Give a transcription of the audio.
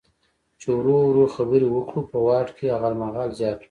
چې ورو ورو خبرې وکړو، په وارډ کې یې غالمغال زیات و.